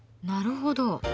なるほど。